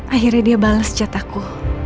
akhirnya dia balas jataku